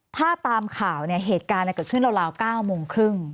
ถ้าตามข่าวเนี่ยเหตุการณ์เกิดขึ้นราว๙โมงครึ่ง